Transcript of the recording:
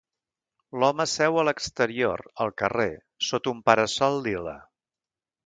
L'home seu a l'exterior al carrer sota un para-sol lila